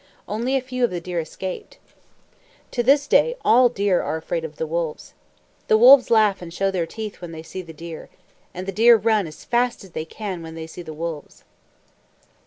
Only a few of the deer escaped. To this day, all deer are afraid of wolves. The wolves laugh and show their teeth when they see the deer. And deer run as fast as they can when they see the wolves.